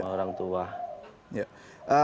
semua orang tua